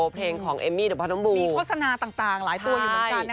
เพลงของเอมมี่โดยพระน้ำบูมีโฆษณาต่างหลายตัวอยู่บนกันนะคะ